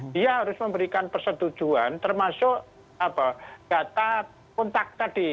dia harus memberikan persetujuan termasuk data kontak tadi